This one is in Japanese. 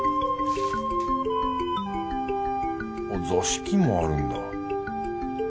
座敷もあるんだ。